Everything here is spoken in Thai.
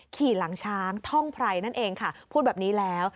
ขี่หลังช้างท่องไพรนั่นเองค่ะพูดแบบนี้แล้ว